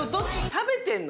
食べてんの！